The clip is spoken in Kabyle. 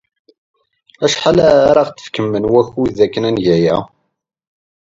Acḥal ara aɣ-d-tefkem n wakud akken ad neg aya?